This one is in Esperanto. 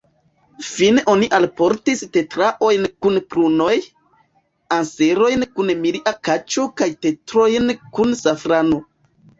Fine oni alportis tetraojn kun prunoj, anserojn kun milia kaĉo kaj tetrojn kun safrano.